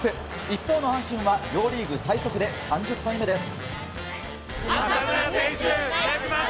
一方の阪神は両リーグ最速で３０敗目です。